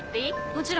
もちろん。